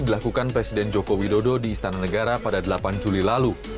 dilakukan presiden joko widodo di istana negara pada delapan juli lalu